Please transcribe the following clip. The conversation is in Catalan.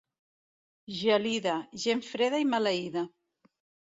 Gelida, gent freda i maleïda.